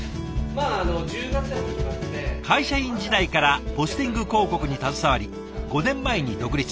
会社員時代からポスティング広告に携わり５年前に独立。